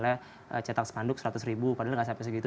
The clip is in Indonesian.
misalnya cetak sepanduk seratus ribu padahal tidak sampai segitu